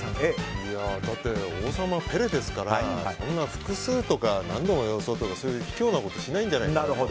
だって王様ペレですからそんな複数とか、何度も予想とか卑怯なことしないんじゃないですか。